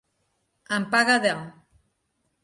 En paga de.